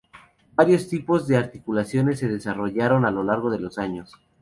Varios tipos de articulaciones se desarrollaron a lo largo de los años.